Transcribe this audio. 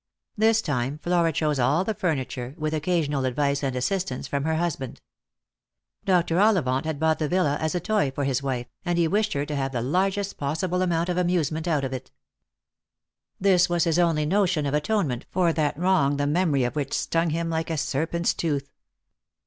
This time Flora chose all the furniture, with occasional advice and assistance from her husband. Dr. Ollivant had bought the villa as a toy for his wife, and he wished her to have the largest possible amount of amusement out of it. Lost for Love. 261 This was his only notion of atonement for that wrong the memory of which stung him like a serpent's tooth.